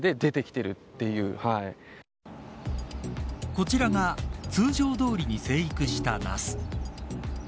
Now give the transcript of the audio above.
こちらが通常どおりに生育したナス。